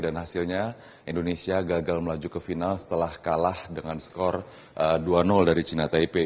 dan hasilnya indonesia gagal melaju ke final setelah kalah dengan skor dua dari china taipei